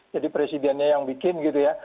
jadi presidennya yang bikin gitu ya